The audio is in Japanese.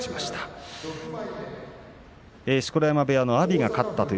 錣山部屋の阿炎が勝ちました。